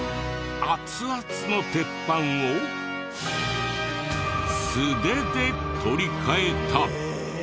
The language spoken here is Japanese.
熱々の鉄板を素手で取り替えた。